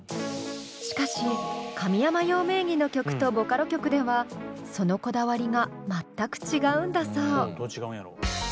しかし神山羊名義の曲とボカロ曲ではそのこだわりが全く違うんだそう。